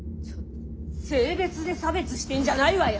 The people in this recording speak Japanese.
性別で差別してんじゃないわよ！